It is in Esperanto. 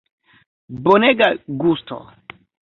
Bonega gusto!